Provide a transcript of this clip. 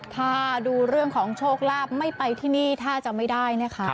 ถ้าดูเรื่องของโชคลาภไม่ไปที่นี่ถ้าจะไม่ได้นะคะ